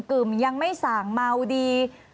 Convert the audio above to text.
ึ่มยังไม่สั่งเมาดี